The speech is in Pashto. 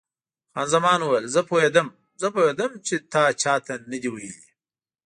خان زمان وویل: زه پوهېدم، زه پوهېدم چې تا چا ته نه دي ویلي.